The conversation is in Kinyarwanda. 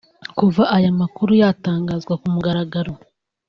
Kuva aya makuru yatangazwa ku mugaragaro